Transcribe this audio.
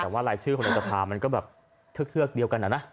แต่ว่ารายชื่อของนายกรัฐมนธรรพามันก็แบบเลือกเลือกเดียวกันอะนะ